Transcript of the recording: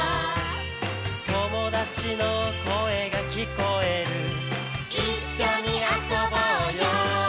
「友達の声が聞こえる」「一緒に遊ぼうよ」